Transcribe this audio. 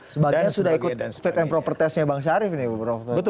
sebagian sudah ikut fit and proper testnya bang syarif ini ya bu prof